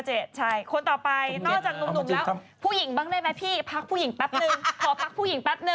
เอาเป็นรู้ไม่รู้คนล่ะคนล่ะ